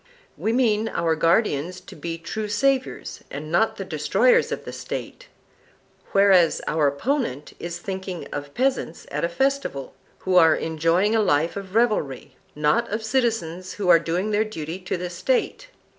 We mean our guardians to be true saviours and not the destroyers of the State, whereas our opponent is thinking of peasants at a festival, who are enjoying a life of revelry, not of citizens who are doing their duty to the State.